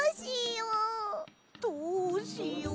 どうしよう？